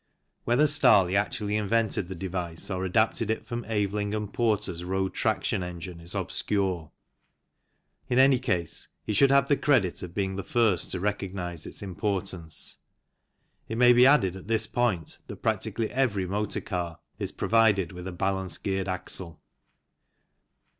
Whether Starley actually invented the device or adapted it from Aveling and Porter's road traction engine is obscure ; in any case he should have the credit of being the first to recognize its importance. It may be added at this point that practically every motor car is provided with a balance geared axle.